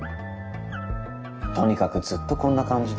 とにかくずっとこんな感じで。